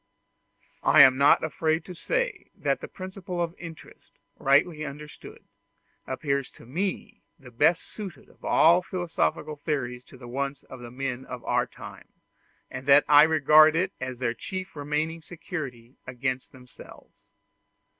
I am not afraid to say that the principle of interest, rightly understood, appears to me the best suited of all philosophical theories to the wants of the men of our time, and that I regard it as their chief remaining security against themselves.